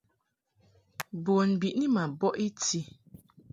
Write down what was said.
Bun biʼni ma bɔʼ i ti.